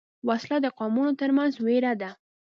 وسله د قومونو تر منځ وېره ده